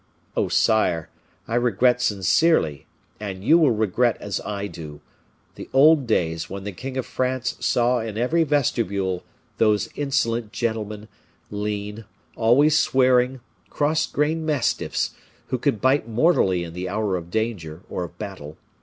Oh! sire, I regret sincerely, and you will regret as I do, the old days when the king of France saw in every vestibule those insolent gentlemen, lean, always swearing cross grained mastiffs, who could bite mortally in the hour of danger or of battle.